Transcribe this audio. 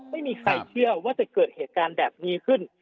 ไม่มีใครเชื่อว่าจะเกิดเหตุการณ์แบบนี้ขึ้น